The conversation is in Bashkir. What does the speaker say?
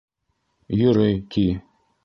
«Йөрөй» ти.